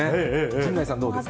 陣内さん、どうですか？